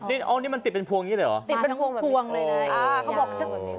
นี่เอานี่มันติดเป็นพวงอย่างนี้เลยเหรอติดเป็นพวงพวงเลยนะอ่าเขาบอก